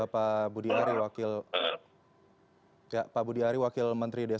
pihak keluarga di solo yang bicara